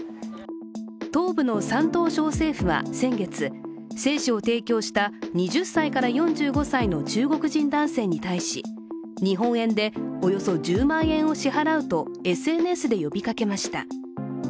東部の山東省政府は先月、精子を提供した２０歳から４５歳の中国人男性に対し、日本円でおよそ１０万円を支払うとＳＮＳで呼びかけました。